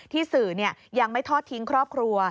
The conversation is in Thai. สื่อยังไม่ทอดทิ้งครอบครัว